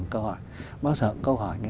một câu hỏi bao giờ cũng câu hỏi